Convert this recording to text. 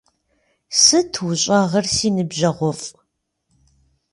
Сыт ущӀэгъыр си ныбжьэгъуфІ?